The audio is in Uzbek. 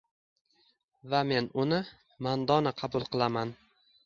Va men uni mandona qabul qilaman